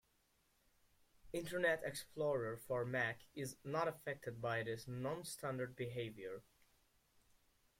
Internet Explorer for Mac is not affected by this non-standard behavior.